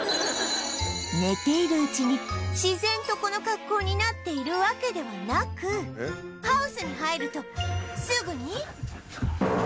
寝ているうちに自然とこの格好になっているわけではなくハウスに入るとすぐに